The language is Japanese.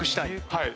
はい。